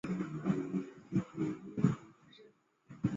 吴春晴生于宣统元年。